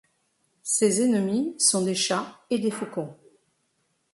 Ses ennemis sont des chats et des faucons.